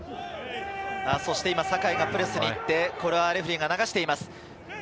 そして今、酒井がプレスに行って、これはレフェリーが流しています。